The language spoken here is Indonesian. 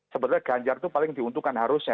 sebenarnya ganjar itu paling diuntungkan harusnya